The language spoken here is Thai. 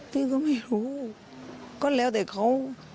พี่ก็ไม่รู้ก็แล้วแต่เขา